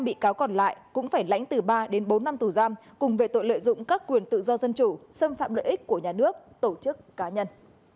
năm mươi bị cáo còn lại cũng phải lãnh từ ba đến bốn năm tù giam cùng về tội lợi dụng các quyền tự do dân chủ xâm phạm lợi ích của nhà nước tổ chức cá nhân